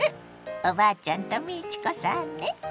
おばあちゃんと美智子さんね！